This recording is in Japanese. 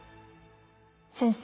先生